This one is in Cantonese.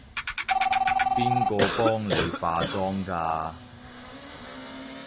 邊個幫你化妝㗎？